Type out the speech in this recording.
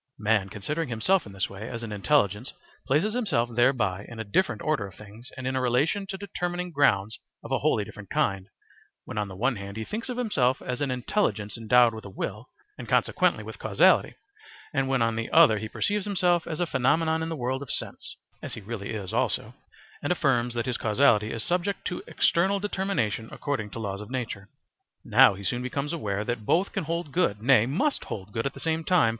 Man considering himself in this way as an intelligence places himself thereby in a different order of things and in a relation to determining grounds of a wholly different kind when on the one hand he thinks of himself as an intelligence endowed with a will, and consequently with causality, and when on the other he perceives himself as a phenomenon in the world of sense (as he really is also), and affirms that his causality is subject to external determination according to laws of nature. Now he soon becomes aware that both can hold good, nay, must hold good at the same time.